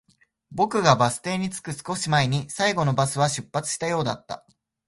僕がバス停に着く少し前に、最後のバスは出発したようだった